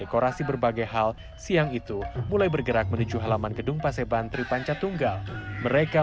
di kitasih di jarus di ciawi di suru di setiap daerah